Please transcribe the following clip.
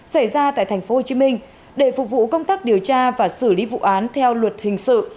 xảy ra tại tp hcm để phục vụ công tác điều tra và xử lý vụ án theo luật hình sự